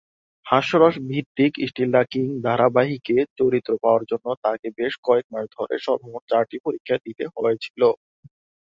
হাস্যরস ভিত্তিক "still the king" ধারাবাহিকে চরিত্র পাওয়ার জন্য তাকে বেশ কয়েক মাস ধরে সর্বমোট চারটি পরীক্ষা দিতে হয়েছিল।